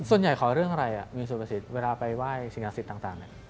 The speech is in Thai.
ส่วนใหญ่ขอเรื่องอะไรมีสุภาษีเวลาไปว่ายสิงหาศิษย์ต่าง